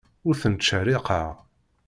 Ur ten-ttcerriqeɣ.